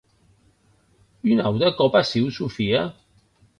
Un aute còp aciu, Sofia!